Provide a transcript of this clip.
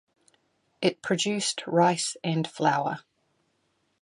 It produced rice and flour.